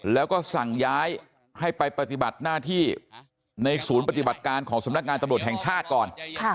แล้วก็สั่งย้ายให้ไปปฏิบัติหน้าที่ในศูนย์ปฏิบัติการของสำนักงานตำรวจแห่งชาติก่อน